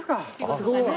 すごい。